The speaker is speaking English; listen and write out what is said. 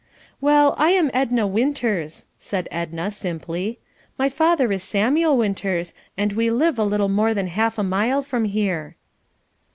"Well, I am Edna Winters," said Edna simply. "My father is Samuel Winters, and we live a little more than half a mile from here."